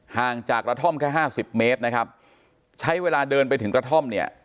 ห่างจากกระท่อมแค่ห้าสิบเมตรนะครับใช้เวลาเดินไปถึงกระท่อมเนี่ย